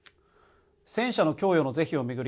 戦車の供与の是非を巡り